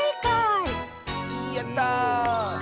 やった！